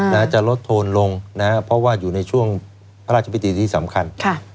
แล้วจะลดโทนลงนะครับเพราะก็อยู่ในช่วงพระราชบิติที่สำคัญ